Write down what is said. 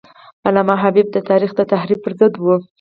علامه حبیبي د تاریخ د تحریف پر ضد و.